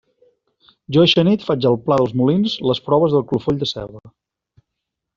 Jo eixa nit faig al pla dels Molins les proves del clofoll de ceba.